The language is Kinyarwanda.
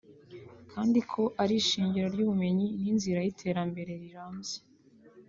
kandi ko ari ishingiro ry’ubumenyi n’inzira y’iterambere rirambye